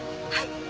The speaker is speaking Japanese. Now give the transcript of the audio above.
はい。